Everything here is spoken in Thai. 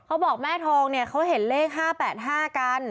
เขาบอกแม่ทองเนี่ยเขาเห็นเลข๕๘๕กัน